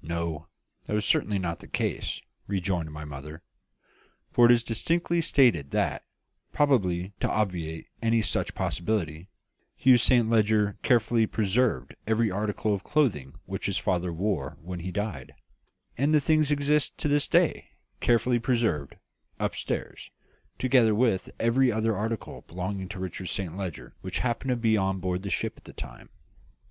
"No; that was certainly not the case," rejoined my mother; "for it is distinctly stated that probably to obviate any such possibility Hugh Saint Leger carefully preserved every article of clothing which his father wore when he died; and the things exist to this day, carefully preserved, upstairs, together with every other article belonging to Richard Saint Leger which happened to be on board the ship at that time."